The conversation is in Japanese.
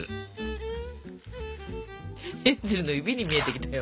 ヘンゼルの指に見えてきたよ。